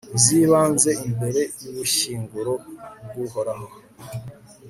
zibanze imbere y'ubushyinguro bw'uhoraho